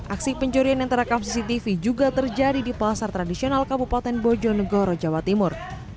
aksi pencurian yang terekam cctv juga terjadi di pasar tradisional kabupaten bojonegoro jawa timur